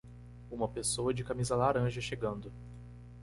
Uma pessoa de camisa laranja chegando.